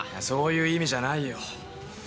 そういう意味じゃないよ。